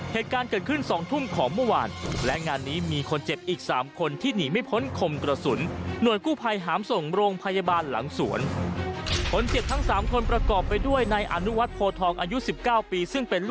เหตุการณ์เกิดขึ้น๒ทุ่มของเมื่อวานและงานนี้มีคนเจ็บอีก๓คนที่หนีไม่พ้นคมกระสุน